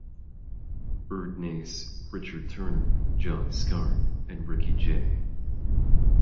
Erdnase, Richard Turner, John Scarne and Ricky Jay.